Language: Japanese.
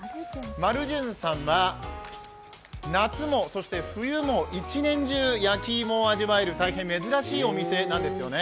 丸じゅんさんは、夏も冬も一年中焼き芋を味わえる、大変珍しいお店なんですよね。